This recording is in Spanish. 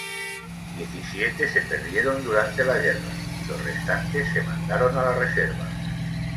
Diecisiete se perdieron durante la guerra y los restantes se mandaron a la reserva.